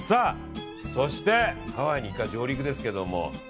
そして、ハワイにイカ上陸ですけども。